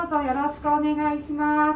よろしくお願いします。